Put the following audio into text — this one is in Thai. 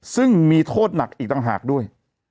ซึ่งมีโทษหนักอีกต่างหากด้วย